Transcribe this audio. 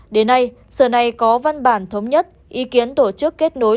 đến nay sở này có văn bản thống nhất ý kiến tổ chức kết nối